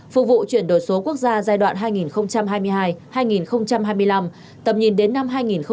phục vụ chuyển đổi số quốc gia giai đoạn hai nghìn hai mươi hai hai nghìn hai mươi năm tầm nhìn đến năm hai nghìn ba mươi